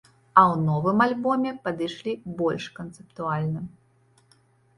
А ў новым альбоме падышлі больш канцэптуальна.